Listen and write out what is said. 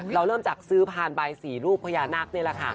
เริ่มจากซื้อพานใบสี่รูปพญานักนี่แหละค่ะ